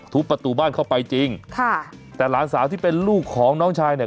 ประตูบ้านเข้าไปจริงค่ะแต่หลานสาวที่เป็นลูกของน้องชายเนี่ย